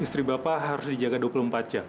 istri bapak harus dijaga dua puluh empat jam